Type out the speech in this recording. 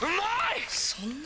そんなに！？